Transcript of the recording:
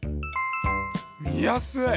みやすい！